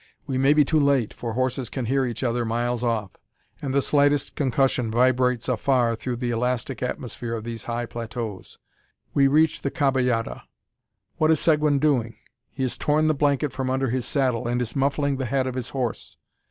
We may be too late, for horses can hear each other miles off; and the slightest concussion vibrates afar through the elastic atmosphere of these high plateaux. We reach the caballada. What is Seguin doing? He has torn the blanket from under his saddle, and is muffling the head of his horse!